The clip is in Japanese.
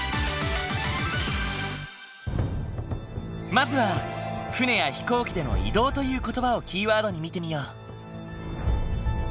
まずは船や飛行機での移動という言葉をキーワードに見てみよう。